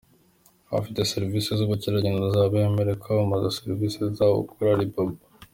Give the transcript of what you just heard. Abafite serivisi z’ubukerarugendo bazaba bemerewe kwamamaza serivisi zabo kuri Alibaba.